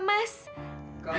kamu bicara melalui tv